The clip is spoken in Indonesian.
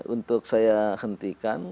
untuk saya hentikan